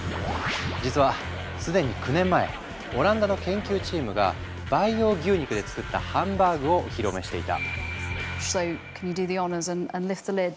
実は既に９年前オランダの研究チームが培養牛肉で作ったハンバーグをお披露目していた。